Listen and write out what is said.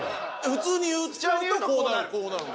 普通に言っちゃうとこうなる。